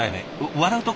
笑うとこ？